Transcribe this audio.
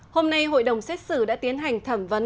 hôm nay hội đồng xét xử đã tiến hành thẩm vấn